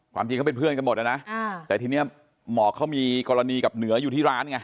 จริงเขาเป็นเพื่อนกันหมดนะแต่ทีนี้หมอกเขามีกรณีกับเหนืออยู่ที่ร้านไง